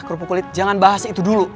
kerupuk kulit jangan bahas itu dulu